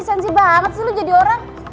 esensi banget sih lo jadi orang